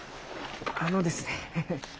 あのですね